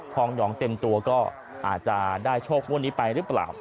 พองหองเต็มตัวก็อาจจะได้โชคงวดนี้ไปหรือเปล่า